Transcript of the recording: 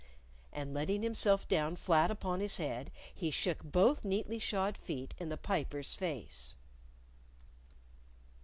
And letting himself down flat upon his head, he shook both neatly shod feet in the Piper's face.